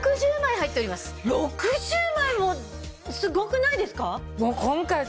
６０枚もすごくないですか？